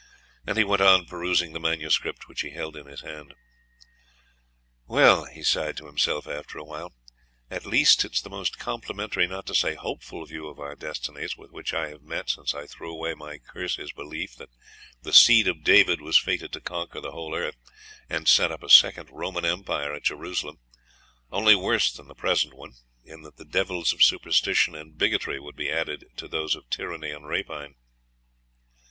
'.... And he went on perusing the manuscript which he held in his hand. ............... 'Well!' he sighed to himself after a while 'at least it is the most complimentary, not to say hopeful, view of our destinies with which I have met since I threw away my curse's belief that the seed of David was fated to conquer the whole earth, and set up a second Roman Empire at Jerusalem, only worse than the present one, in that the devils of superstition and bigotry would be added to those of tyranny and rapine.